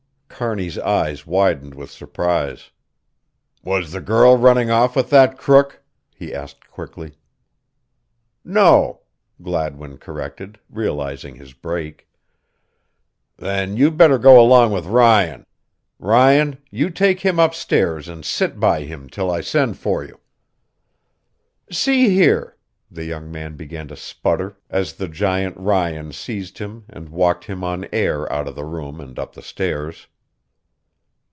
Kearney's eyes widened with surprise. "Was the girl running off with that crook?" he asked quickly. "No," Gladwin corrected, realizing his break. "Then you better go along with Ryan. Ryan, you take him upstairs and sit by him till I send for you." "See here," the young man began to splutter as the giant Ryan seized him and walked him on air out of the room and up the stairs.